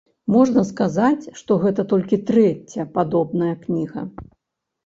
Можна сказаць, што гэта толькі трэцяя падобная кніга.